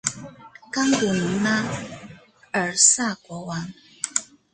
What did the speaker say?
冈古农拉尔萨国王。